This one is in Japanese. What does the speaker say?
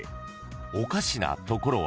［おかしなところは？］